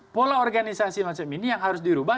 pola organisasi macam ini yang harus dirubah